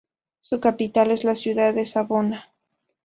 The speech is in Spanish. Su capital es la ciudad de Savona.